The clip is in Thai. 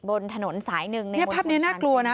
บนถนนสายหนึ่งเนี่ยภาพนี้น่ากลัวนะ